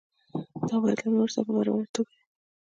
دا باید له نورو سره په برابره توګه وي.